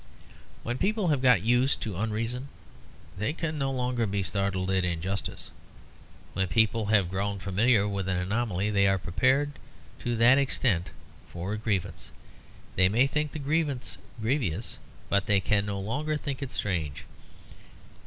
When people have got used to unreason they can no longer be startled at injustice. When people have grown familiar with an anomaly, they are prepared to that extent for a grievance; they may think the grievance grievous, but they can no longer think it strange.